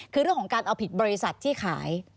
คือเรื่องของการเอาผิดบริษัทที่ขาย